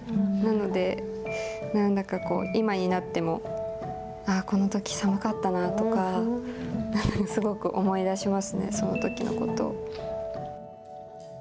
なので、なんだか今になっても、ああ、このとき寒かったなとか、すごく思い出しますね、そのときのことを。